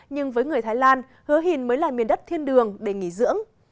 nhưng với người thái lan hứa hình mới là miền đất thiên đường để nghỉ dưỡng